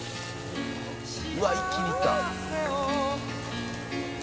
「うわっ一気にいった」